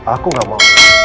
aku nggak mau